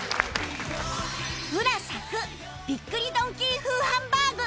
浦作びっくりドンキー風ハンバーグ